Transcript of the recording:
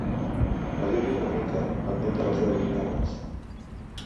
M'allunyo una mica, pendent de les veus llunyanes.